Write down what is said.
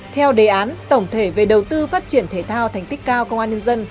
theo đề án tổng thể về đầu tư phát triển thể thao thành tích cao công an nhân dân